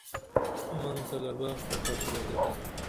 فمن طلبہ فقد وجدہ